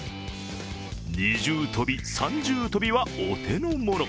二重跳び、三重跳びはお手の物。